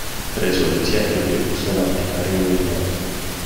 Rezoluția trebuie pusă în aplicare imediat.